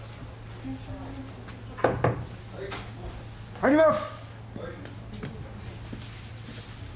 入ります！